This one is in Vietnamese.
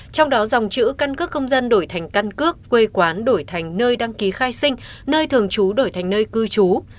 trong đó dòng chữ căn cước công dân đổi thành căn cước quê quán đổi thành nơi đăng ký khai sinh nơi thường trú đổi thành nơi cư trú